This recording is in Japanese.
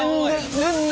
全然！